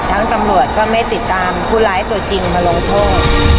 และทั้งตำรวจก็ไม่ติดตามผู้ร้ายตัวจริงมาโลโทร